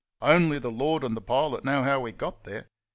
Only the Lord and the pilot know how we got there.